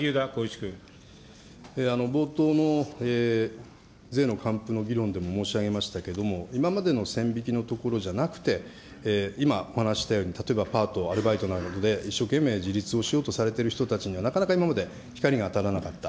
冒頭の税の還付の議論でも申し上げましたけれども、今までの線引きのところじゃなくて、今お話ししたように、例えばパート、アルバイトなどで、一生懸命自立をしようとされている人たちには、なかなか今まで光が当たらなかった。